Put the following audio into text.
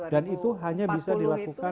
dan itu hanya bisa dilakukan